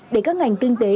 để các ngành kinh tế